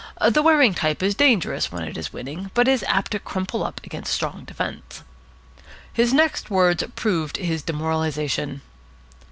The Waring type is dangerous when it is winning, but it is apt to crumple up against strong defence. His next words proved his demoralisation.